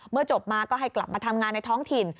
จบมาก็ให้กลับมาทำงานในท้องถิ่น